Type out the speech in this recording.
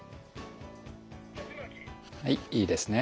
はいいいですね。